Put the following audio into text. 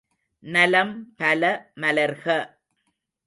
நலம் பல மலர்க!